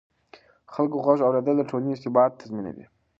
د خلکو غږ اورېدل د ټولنې ثبات تضمینوي